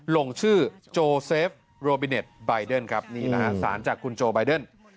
ลงชื่อโจเซฟโรบิเนทบายเดิ้ลสารจากคุณโจบายเดิ้ล